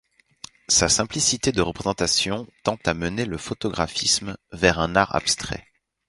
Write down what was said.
Sa simplicité de représentation tend à mener le photographisme vers un art abstrait.